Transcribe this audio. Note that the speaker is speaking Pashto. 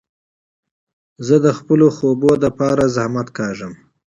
زه د خپلو خوبو له پاره زحمت کاږم.